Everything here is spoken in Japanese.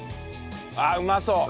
ああうまそう！